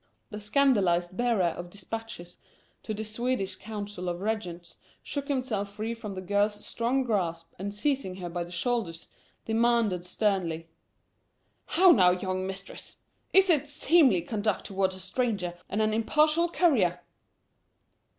The scandalized bearer of dispatches to the Swedish Council of Regents shook himself free from the girl's strong grasp and seizing her by the shoulder, demanded, sternly: "How now, young mistress! Is this seemly conduct toward a stranger and an imperial courier?"